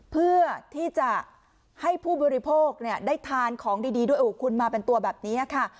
เพื่อที่จะให้ผู้บริโภคได้ทานของดีด้วยโอ้โหคุณมาเป็นตัวแบบนี้ค่ะ